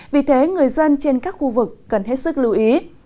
vì thế người dân trên các khu vực cần hết sức lưu ý